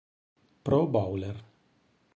Pro Bowler